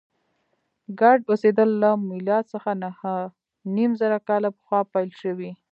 ګډ اوسېدل له میلاد څخه نهه نیم زره کاله پخوا پیل شوي.